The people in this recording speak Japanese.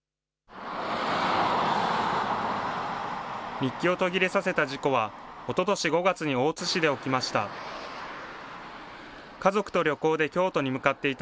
日記を途切れさせた事故は、おととし５月に大津市で起きました。